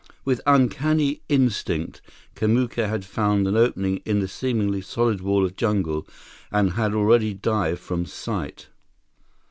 With uncanny instinct, Kamuka had found an opening in the seemingly solid wall of jungle and had already dived from sight.